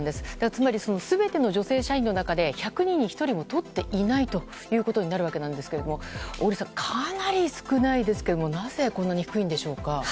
つまり全ての女性社員の中で１００人１人もとっていないということになるわけなんですけれども小栗さん、かなり少ないですけどなぜこんなに低いんでしょうか。